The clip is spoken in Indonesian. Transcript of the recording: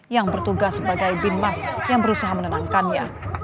yang bertugas sebagai binmas yang berusaha menenangkannya